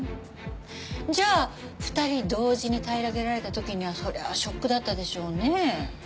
じゃあ２人同時に平らげられた時にはそりゃあショックだったでしょうね。